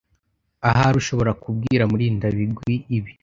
Ahari ushobora kubwira Murindabigwi ibi.